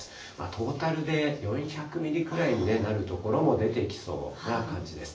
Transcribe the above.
トータルで４００ミリくらいになる所も出てきそうな感じです。